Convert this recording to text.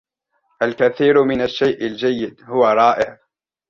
الكثير من الشيء الجيد هو رائع!